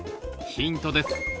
ヒントです